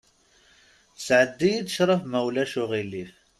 Sɛeddi-yi-d cṛab, ma ulac aɣilif.